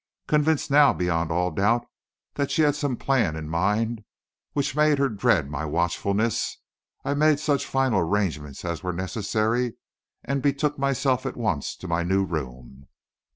Convinced now beyond all doubt that she had some plan in mind which made her dread my watchfulness, I made such final arrangements as were necessary, and betook myself at once to my new room.